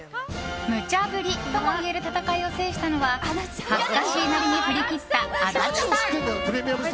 むちゃ振りともいえる戦いを制したのは恥ずかしいなりに振り切った足立さん。